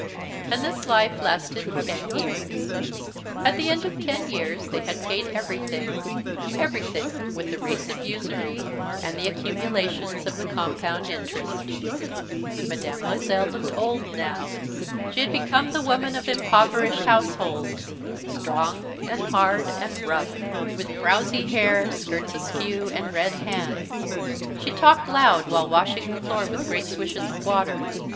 And this life lasted ten years. At the end of ten years they had paid everything, everything, with the rates of usury, and the accumulations of the compound interest. Mme. Loisel looked old now. She had become the woman of impoverished households strong and hard and rough. With frowsy hair, skirts askew, and red hands, she talked loud while washing the floor with great swishes of water.